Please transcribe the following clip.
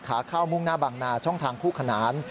ขาเข้ามุ่งหน้าบางนาช่องทางคู่ขนาน